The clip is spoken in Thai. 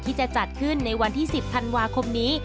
ที่จะจัดขึ้นในวันที่๑๐ธันวาคมนี้